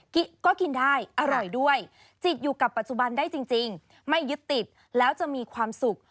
ก็กินได้อร่อยด้วยจิตอยู่กับปัจจุบันได้จริงไม่ยึดติดแล้วจะมีความสุข